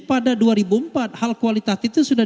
pada dua ribu empat hal kualitatif itu sudah